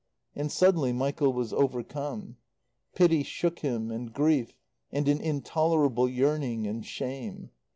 And suddenly Michael was overcome. Pity shook him and grief and an intolerable yearning, and shame.